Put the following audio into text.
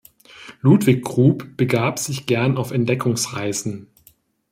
Ludwig Grub begab sich gern auf Entdeckungsreisen.